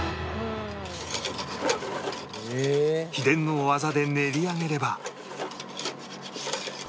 秘伝の技で練り上げれば